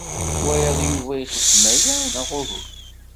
Twalaḍ Yuba ixeddem aya, neɣ uhu?